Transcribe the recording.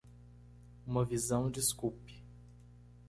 Uma visão desculpe